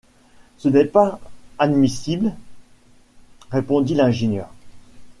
Ce n’est pas admissible, répondit l’ingénieur.